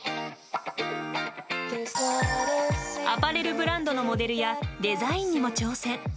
アパレルブランドのモデルやデザインにも挑戦。